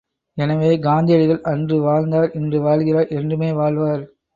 எனவே கர்ந்தியடிகள் அன்று வாழ்ந்தார் இன்று வாழ்கிறார் என்றுமே வாழ்வார்.